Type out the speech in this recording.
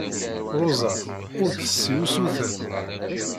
Ṛuza ur d-tessi usuten.